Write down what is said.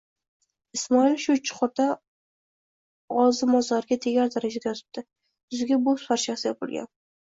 Ismoil shu chuqurda ozi mozorga tegar darajada yotibdi, yuziga bo'z parchasi yopilgan.